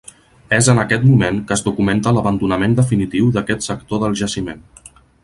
És en aquest moment que es documenta l'abandonament definitiu d'aquest sector del jaciment.